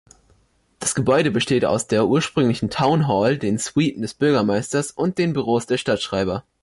Das Gebäude besteht aus der ursprünglichen Town Hall, den Suiten des Bürgermeisters und den Büros der Stadtschreiber.